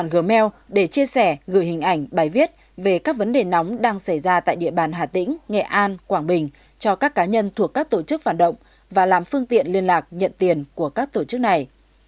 năm g để chia sẻ gửi hình ảnh bài viết về các vấn đề nóng đang xảy ra tại địa bàn hà tĩnh nghệ an quảng bình cho các cá nhân thuộc các tổ chức phản động và làm phương tiện liên lạc nhận tiền của các tổ chức này